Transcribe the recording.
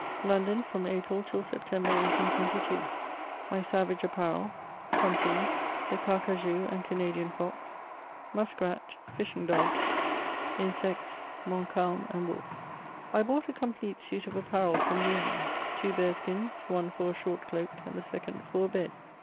London, from April till September, 1822. MT SAVAOB APPARBL — HUNTINO— THE CABCAJOU AND CANADIAN FOX * MUSK BAT — FISHING DOGS — ^INSECTS — MONTCALM AND WOUTB. I BOUGHT a complete suit of apparel from the Indians ; two bear skins, one for a short cloak, and the second for a bed.